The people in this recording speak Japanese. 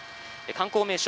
観光名所